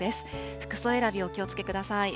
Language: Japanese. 服装選び、お気をつけください。